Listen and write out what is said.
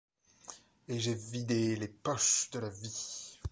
Et j’ai vidé les poches de la vie.